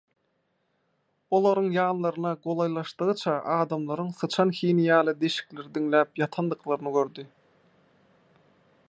Olaryň ýanlaryna golaýlaşdygyça adamlaryň syçan hini ýaly deşikleri diňläp ýatandyklaryny gördi.